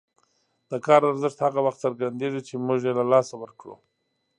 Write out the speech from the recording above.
د کار ارزښت هغه وخت څرګندېږي چې موږ یې له لاسه ورکړو.